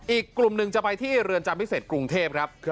อีกกลุ่มหนึ่งจะไปที่เรือนจำพิเศษกรุงเทพครับ